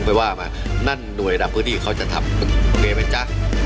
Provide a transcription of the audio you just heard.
ไม่ว่ามานั่นด้วยทางพื้นที่เขาจะทำโอเคไหมจ๊ะ